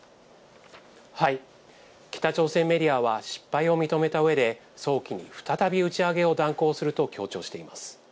北朝鮮メディアは、失敗を認めたうえで、早期に再び打ち上げを断行すると強調しています。